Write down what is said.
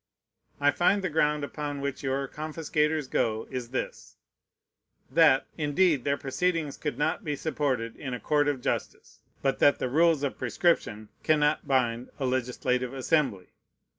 I find the ground upon which your confiscators go is this: that, indeed, their proceedings could not be supported in a court of justice, but that the rules of prescription cannot bind a legislative assembly.